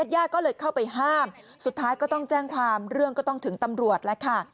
ญาติก็เลยเข้าไปห้ามสุดท้ายก็ต้องแจ้งความเรื่องก็ต้องถึงตำรวจแล้วค่ะ